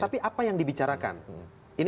tapi apa yang dibicarakan